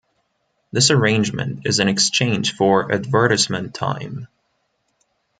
This arrangement is in exchange for advertisement time.